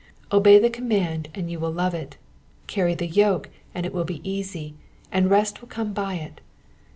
Obey the command, and you will love it ; carry the yoke, and it will be easy, and rest will come by it.